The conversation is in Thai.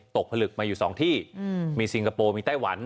ผลึกมาอยู่๒ที่มีซิงคโปร์มีไต้หวัน